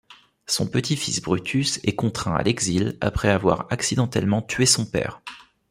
Son petit-fils Brutus est contraint à l’exil après avoir accidentellement tué son père.